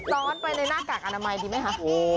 ร้อนไปในหน้ากากอนามัยดีไหมคะ